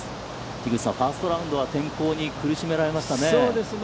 樋口さん、ファーストラウンドは天候に苦しめられましたね。